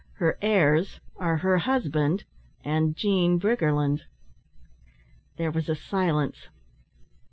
Her heirs are her husband and Jean Briggerland." There was a silence.